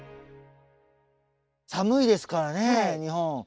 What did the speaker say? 寒いですからね日本。